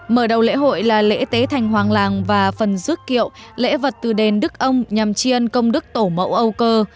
mở đầu lễ hội là lễ tế thành hoàng làng và phần rước kiệu lễ vật từ đền đức ông nhằm tri ân công đức tổ mẫu âu cơ